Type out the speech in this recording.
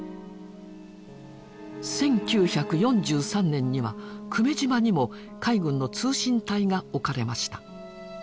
１９４３年には久米島にも海軍の通信隊が置かれました。